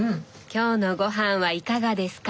今日のごはんはいかがですか？